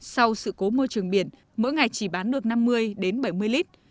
sau sự cố môi trường biển mỗi ngày chỉ bán được năm mươi đến bảy mươi lít